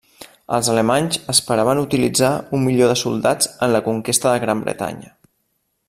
Els alemanys esperaven utilitzar un milió de soldats en la conquesta de Gran Bretanya.